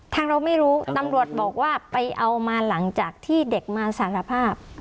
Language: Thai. เราไม่รู้ตำรวจบอกว่าไปเอามาหลังจากที่เด็กมาสารภาพ